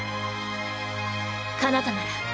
かなたなら。